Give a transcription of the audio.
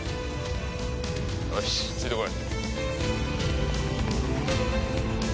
よしついて来い。